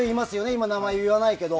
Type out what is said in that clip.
今、名前は言わないけど。